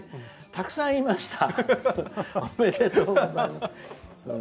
たくさんいました。